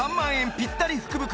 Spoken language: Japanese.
ぴったり福袋